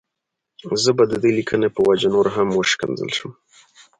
زه به د دې ليکنې په وجه نور هم وشکنځل شم.